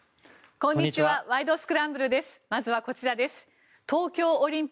こんにちは。